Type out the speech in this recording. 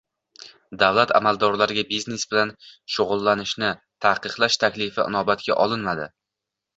Davlat amaldorlariga biznes bilan shug‘ullanishni taqiqlash taklifi inobatga olinmadi